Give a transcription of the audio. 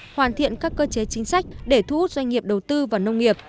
hoàn thiện các cơ chế chính sách để thu hút doanh nghiệp đầu tư vào nông nghiệp